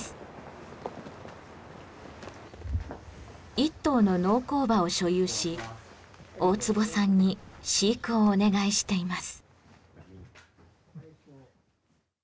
１頭の農耕馬を所有し大坪さんに飼育をお願いしています。